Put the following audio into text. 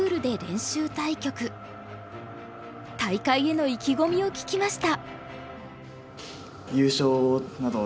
大会への意気込みを聞きました。